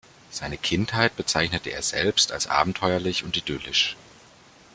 Seine Kindheit bezeichnete er selbst als abenteuerlich und idyllisch.